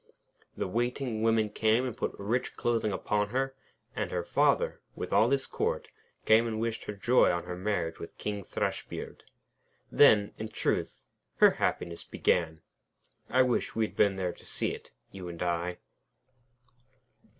The waiting women came and put rich clothing upon her, and her Father, with all his Court, came and wished her joy on her marriage with King Thrushbeard. Then, in truth, her happiness began. I wish we had been there to see it, you and I.